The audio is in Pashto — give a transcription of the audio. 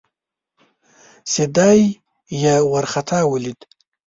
چې دای یې ورخطا ولید.